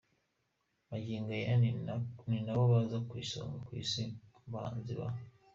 Magingo aya ni nabo baza ku isonga ku isi mu bahanzi ba